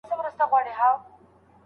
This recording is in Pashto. آیا مورنۍ مینه تر بلې مینې پاکه ده؟